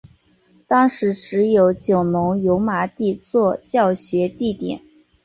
当时只有九龙油麻地作教学地点。